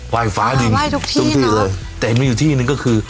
ไหว้ฟ้าดีอ่าไหว้ทุกที่ทุกที่เลยแต่เห็นมันอยู่ที่นี่นึงก็คือ